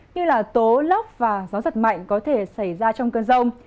như tố lốc và gió giật mạnh có thể xảy ra trong cơn rông